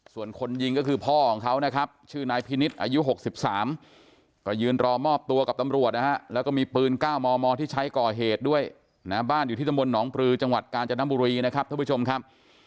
ส่วนคนยิงก็คือพ่อของเขานะครับชื่อนายพินิษฐ์อายุ๖๓ก็ยืนรอมอบตัวกับตำรวจนะฮะแล้วก็มีปืน๙มมที่ใช้ก่อเหตุด้วยนะบ้านอยู่ที่ตำบลหนองปลือจังหวัดกาญจนบุรีนะครับท่านผู้ชมครับ